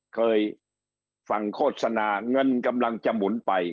เคยฝั่งโฆษณาเงินกำลังจะหมุนไป